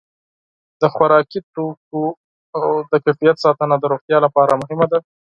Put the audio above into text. د خوراکي توکو د کیفیت ساتنه د روغتیا لپاره مهمه ده.